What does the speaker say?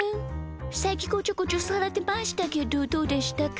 さっきこちょこちょされてましたけどどうでしたか？